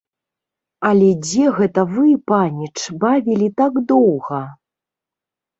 Але дзе гэта вы, паніч, бавілі так доўга?